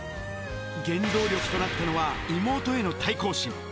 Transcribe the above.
原動力となったのは、妹への対抗心。